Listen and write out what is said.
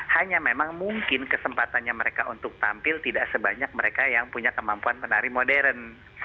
hanya memang mungkin kesempatannya mereka untuk tampil tidak sebanyak mereka yang punya kemampuan menari modern